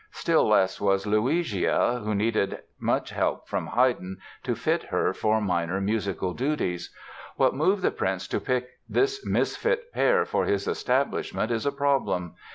Still less was Luigia, who needed much help from Haydn to fit her for minor musical duties. What moved the Prince to pick this misfit pair for his establishment is a problem.